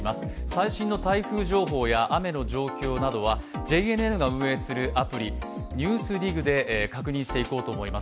最新の台風情報や雨の状況などはＪＮＮが運営するアプリ「ＮＥＷＳＤＩＧ」で確認していこうと思います。